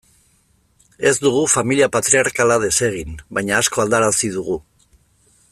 Ez dugu familia patriarkala desegin, baina asko aldarazi dugu.